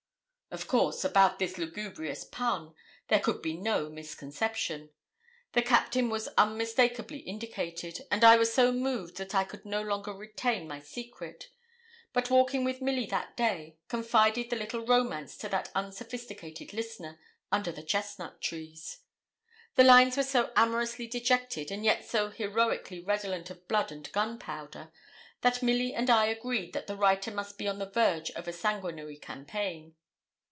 Of course, about this lugubrious pun, there could be no misconception. The Captain was unmistakably indicated; and I was so moved that I could no longer retain my secret; but walking with Milly that day, confided the little romance to that unsophisticated listener, under the chestnut trees. The lines were so amorously dejected, and yet so heroically redolent of blood and gunpowder, that Milly and I agreed that the writer must be on the verge of a sanguinary campaign.